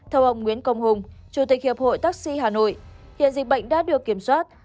theo ông nguyễn công hùng chủ tịch hiệp hội taxi hà nội hiện dịch bệnh đã được kiểm soát